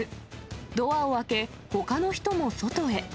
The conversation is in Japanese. ドアを開け、ほかの人も外へ。